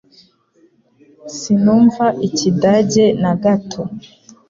Sinumva Ikidage na gato